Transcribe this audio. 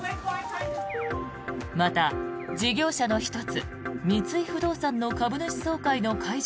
また、事業者の１つ三井不動産の株主総会の会場